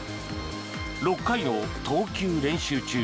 ６回の投球練習中